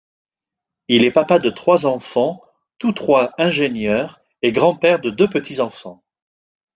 Il est papa de trois enfants, tout trois ingénieurs, et grand-père de deux petits-enfants.